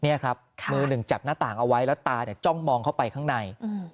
นี่ครับมือหนึ่งจับหน้าต่างเอาไว้แล้วตาเนี่ยจ้องมองเข้าไปข้างใน